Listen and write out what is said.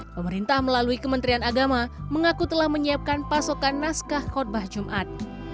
pemerintah melalui kementerian agama mengaku telah menyiapkan pasokan naskah khutbah jumat